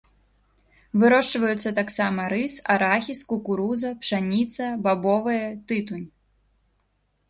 Вырошчваюцца таксама рыс, арахіс, кукуруза, пшаніца, бабовыя, тытунь.